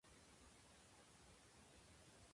Què va ser anomenat Pere el Conestable de Portugal?